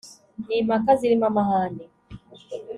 n impaka zirimo amahane